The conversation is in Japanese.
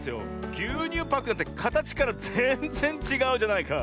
ぎゅうにゅうパックなんてかたちからぜんぜんちがうじゃないか。